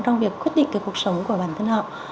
trong việc quyết định cái cuộc sống của bản thân họ